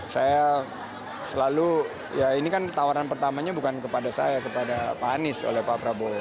saya selalu ya ini kan tawaran pertamanya bukan kepada saya kepada pak anies oleh pak prabowo